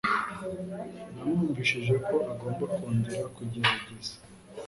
Namwumvishije ko agomba kongera kugerageza.